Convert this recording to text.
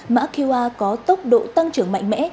mã qr có tốc độ tăng trưởng mạnh mẽ